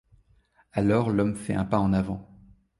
Alors l’homme fait un pas en avant.